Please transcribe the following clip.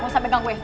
gak usah pegang gue